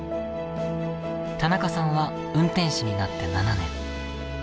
田中さんは運転士になって７年。